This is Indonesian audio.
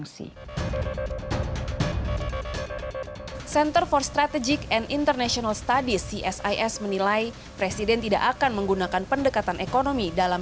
presiden juga mengajak negara anggota g tujuh untuk memfasilitasi ekspor gandum ukraina agar dapat segala berjalan